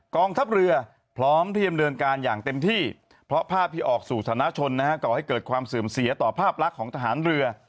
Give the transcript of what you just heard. กองทัพเรือพร้อมเตรียมเดินการอย่างเต็มที่เพราะภาพที่ออกสู่ธนชนก่อให้เกิดความเสื่อมเสียต่อภาพลักษณ์ของทหารเรือ